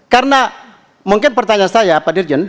karena mungkin pertanyaan saya pak dirjen